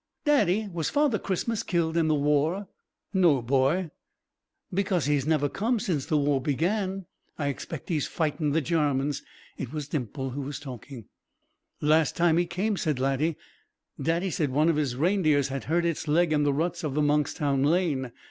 "Daddy, was Father Christmas killed in the war?" "No, boy." "Because he has never come since the war began. I expect he is fightin' the Jarmans." It was Dimples who was talking. "Last time he came," said Laddie, "Daddy said one of his reindeers had hurt its leg in the ruts of the Monkstown Lane.